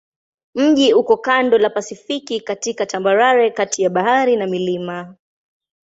Mji uko kando la Pasifiki katika tambarare kati ya bahari na milima.